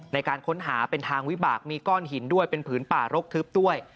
ในการค้นหาเป็นทางวิบากมีก้อนหินด้วยเป็นผืนป่ารกทึบด้วย